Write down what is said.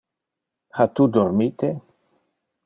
Ha tu dormite?